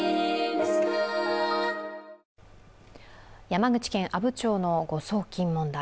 山口県阿武町の誤送金問題。